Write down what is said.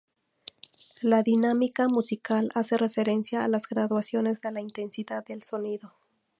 La dinámica musical hace referencia a las graduaciones de la intensidad del sonido.